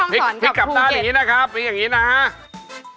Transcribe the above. พี่กลับต้านอย่างนี้นะครับ